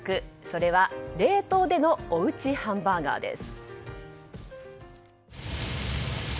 それは、冷凍でのおうちハンバーガーです。